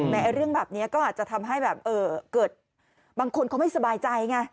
เรื่องแบบนี้ก็อาจจะทำให้แบบเกิดบางคนเขาไม่สบายใจไง